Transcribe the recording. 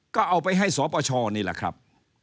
ก็เอาไปให้สปชนี่แหละครับ